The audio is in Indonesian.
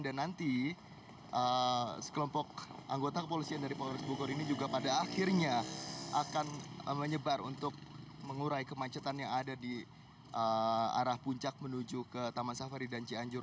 dan nanti sekelompok anggota kepolisian dari polres bukor ini juga pada akhirnya akan menyebar untuk mengurai kemacetan yang ada di arah puncak menuju ke taman safari dan cianjur